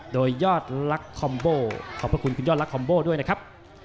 โดยยอดลักษณ์คอมโบขอบพระคุณคุณยอดรักคอมโบด้วยนะครับ